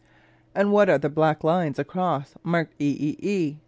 And what are the black lines across, marked E E E?